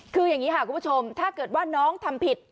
คืออย่างนี้ค่ะคุณผู้ชมถ้าเกิดว่าน้องทำผิด